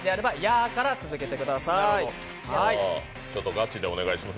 ガチでお願いします。